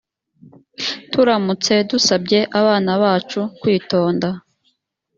turamutse dusabye abana bacu kwitonda